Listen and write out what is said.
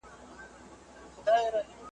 چي بچي دي زېږولي غلامان دي ,